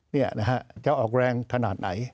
นี่นะฮะจะออกแรงขนาดไหน